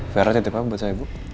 vera titip apa buat saya bu